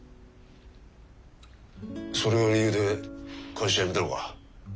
それが理由で会社辞めたのか？